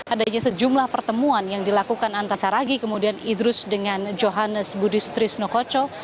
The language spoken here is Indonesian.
adanya sejumlah pertemuan yang dilakukan antasaragi kemudian idrus dengan johannes budi sutrisno koco